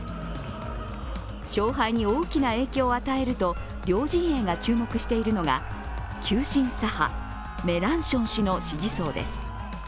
勝敗に大きな影響を与えると両陣営が注目しているのが急進左派・メランション氏の支持層です。